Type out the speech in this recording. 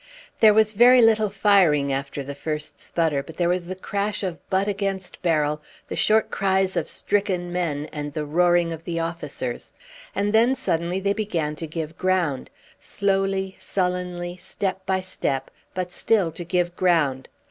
There was very little firing after the first sputter; but there was the crash of butt against barrel, the short cries of stricken men, and the roaring of the officers. And then, suddenly, they began to give ground slowly, sullenly, step by step, but still to give ground.